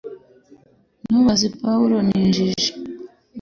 Ntubaze Pawulo Ni injiji